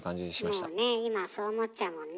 もうね今そう思っちゃうもんね。